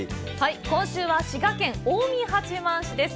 今週は滋賀県近江八幡市です。